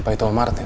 apa itu martin